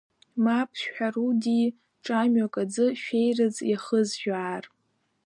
Мап шәҳәару, ди, ҿамҩак аӡы шәеирыӡ иахызжәаар?